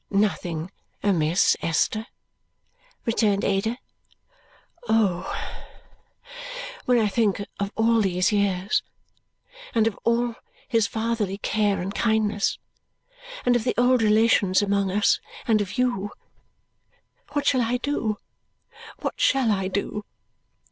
"Nothing amiss, Esther?" returned Ada. "Oh, when I think of all these years, and of his fatherly care and kindness, and of the old relations among us, and of you, what shall I do, what shall I do!"